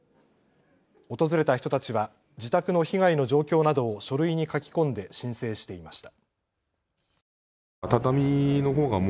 訪れた人たちは自宅の被害の状況などを書類に書き込んで申請していました。